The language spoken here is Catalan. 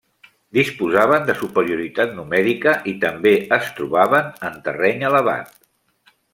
Disposaven de superioritat numèrica i també es trobaven en terreny elevat.